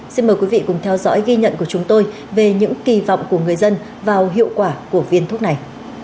xin mời quý vị cùng theo dõi ghi nhận của chúng tôi về những kỳ vọng của người dân vào hiệu quả của viên thuốc này